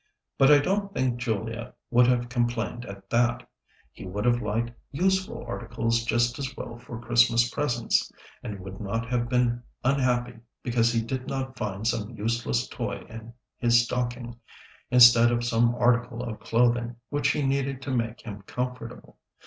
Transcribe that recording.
But I don't think Julia would have complained at that; he would have liked useful articles just as well for Christmas presents, and would not have been unhappy because he did not find some useless toy in his stocking, instead of some article of clothing, which he needed to make him comfortable.